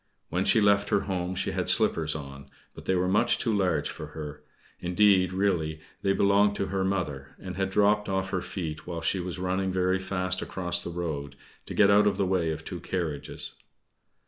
When she left her home she had slippers on, but they were much too large for her indeed, really, they belonged to her mother and had dropped off her feet while she was running very fast across the road, to get out of the way of two carriages.